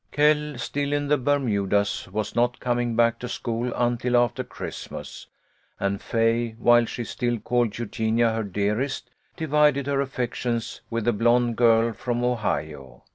Kell, still in the Bermudas, was not coming back to school until after Christmas, and Fay, while she still called Eugenia her dearest, divided her affec tions with a blonde girl from Ohio.